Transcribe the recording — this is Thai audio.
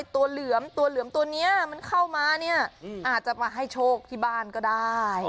เหลือมตัวเหลือมตัวนี้มันเข้ามาเนี่ยอาจจะมาให้โชคที่บ้านก็ได้